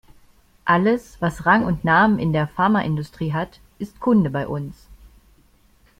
Alles, was Rang und Namen in der Pharmaindustrie hat, ist Kunde bei uns.